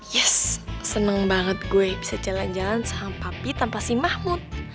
yes seneng banget gue bisa jalan jalan sama papi tanpa si mahmud